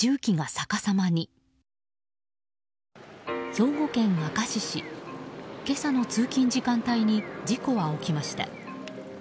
兵庫県明石市今朝の通勤時間帯に事故は起きました。